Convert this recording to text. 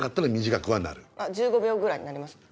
１５秒ぐらいになります？